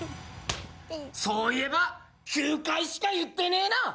そういえば９回しか言ってねえな！